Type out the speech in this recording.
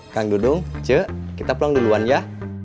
kang dudung cik kita pulang duluan ya